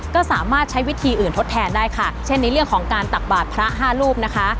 ก็สามารถใช้วิธีอื่นทดแทนได้ค่ะเช่นในเรื่องของการตักบาทพระห้ารูปนะคะ